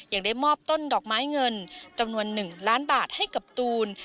ยังได้มอบต้นดอกไม้เงินจำนวน๑ล้านบาทให้กับตูน